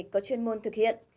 có chuyên môn thực hiện